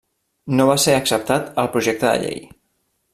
No va ser acceptat el projecte de llei.